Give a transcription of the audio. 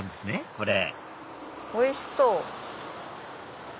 これおいしそう！